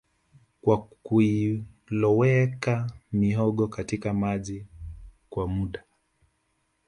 kwa kuiloweka mihogo katika maji kwa muda